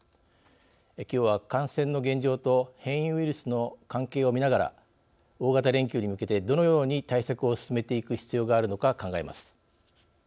きょうは、感染の現状と変異ウイルスの関係を見ながら大型連休に向けてどのように対策を進めていく必要があるのか考えます。